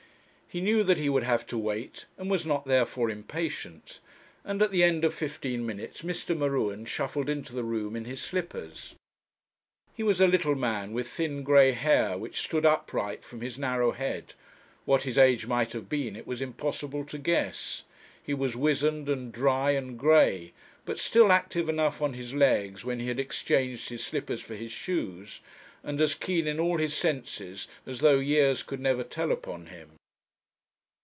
He knew that he would have to wait, and was not therefore impatient, and at the end of fifteen minutes Mr. M'Ruen shuffled into the room in his slippers. He was a little man, with thin grey hair, which stood upright from his narrow head what his age might have been it was impossible to guess; he was wizened, and dry, and grey, but still active enough on his legs when he had exchanged his slippers for his shoes; and as keen in all his senses as though years could never tell upon him.